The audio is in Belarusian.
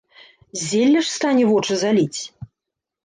Зелля ж стане вочы заліць?